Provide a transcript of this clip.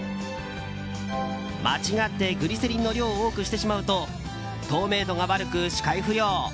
間違ってグリセリンの量を多くしてしまうと透明度が悪く視界不良。